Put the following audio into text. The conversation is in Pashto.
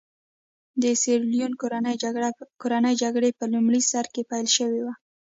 د سیریلیون کورنۍ جګړه په لومړي سر کې پیل شوې وه.